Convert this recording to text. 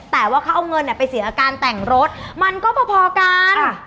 แต่ว่าเขาเอาเงินไปเสียการแต่งรถมันก็พอกัน